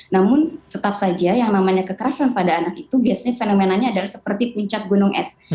namun tetap saja yang namanya kekerasan pada anak itu biasanya fenomenanya adalah seperti puncak gunung es